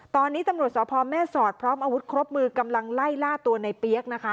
ตอนนี้ตำรวจสพแม่สอดพร้อมอาวุธครบมือกำลังไล่ล่าตัวในเปี๊ยกนะคะ